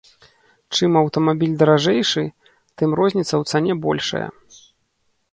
Чым аўтамабіль даражэйшы, тым розніца ў цане большая.